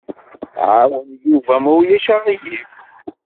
Ɛawen Yuba ma ulac aɣilif.